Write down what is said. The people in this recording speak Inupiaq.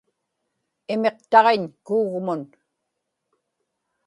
imiqtaġiñ kuugmun